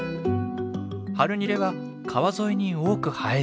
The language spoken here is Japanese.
ハルニレは川沿いに多く生える木。